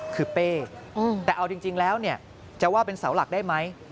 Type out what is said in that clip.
คือเป้แต่เอาจริงแล้วเนี่ยจะว่าเป็นเสาหลักได้ไหม